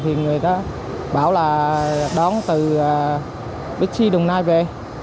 thì người ta bảo là đón từ bích sĩ đồng nai về